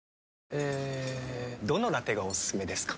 えどのラテがおすすめですか？